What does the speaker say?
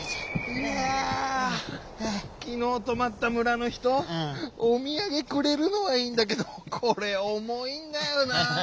いやぁきのうとまった村の人おみやげくれるのはいいんだけどこれおもいんだよなぁ。